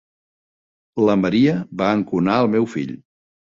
La Maria va enconar el meu fill.